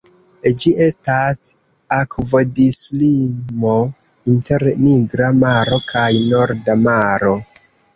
Ĝi estas akvodislimo inter Nigra Maro kaj Norda Maro.